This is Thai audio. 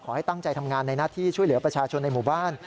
ให้ตั้งใจทำงานในหน้าที่ช่วยเหลือประชาชนในหมู่บ้าน